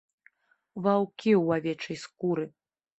Ваўкі ў авечай скуры!